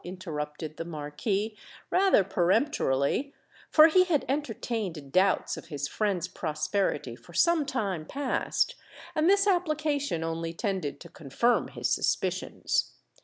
interrupted the Marquis, rather peremptorily; for he had entertained doubts of his friend's prosperity for some time past; and this application only tended to confirm his suspicions.